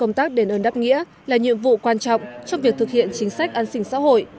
công tác đền ơn đáp nghĩa là nhiệm vụ quan trọng trong việc thực hiện chính sách an sinh xã hội